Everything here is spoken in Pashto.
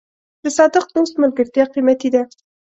د صادق دوست ملګرتیا قیمتي ده.